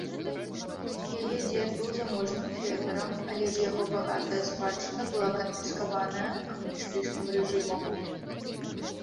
Яе дзед быў заможным фермерам, але ж яго багатая спадчына была канфіскаваная камуністычным рэжымам.